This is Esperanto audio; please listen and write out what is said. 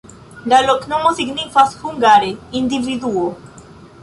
La loknomo signifas hungare: individuo.